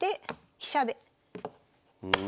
飛車で。